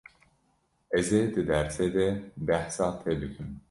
Ez ê di dersê de behsa te bikim.